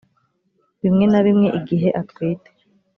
bimwe na bimwe igihe atwite